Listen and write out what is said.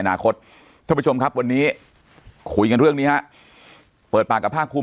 ท่านผู้ชมครับวันนี้คุยกันเรื่องนี้ฮะเปิดปากกับภาคภูมิ